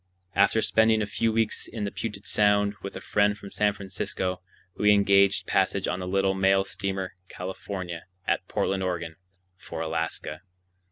After spending a few weeks in the Puget Sound with a friend from San Francisco, we engaged passage on the little mail steamer California, at Portland, Oregon, for Alaska.